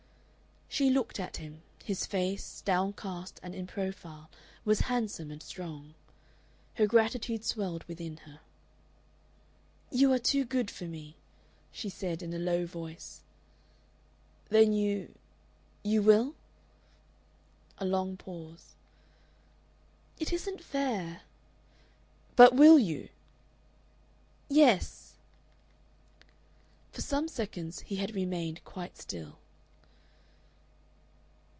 She looked at him; his face, downcast and in profile, was handsome and strong. Her gratitude swelled within her. "You are too good for me," she said in a low voice. "Then you you will?" A long pause. "It isn't fair...." "But will you?" "YES." For some seconds he had remained quite still.